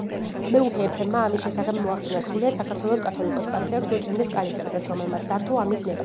მეუფე ეფრემმა ამის შესახებ მოახსენა სრულიად საქართველოს კათოლიკოს-პატრიარქს უწმიდეს კალისტრატეს, რომელმაც დართო ამის ნება.